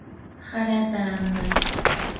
harata ankay.